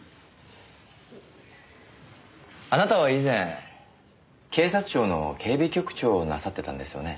あなたは以前警察庁の警備局長をなさってたんですよね？